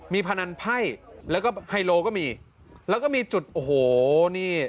มีพนันไพ่แล้วก็ไฮโลก็มีแล้วก็มีจุดโอ้โหนี่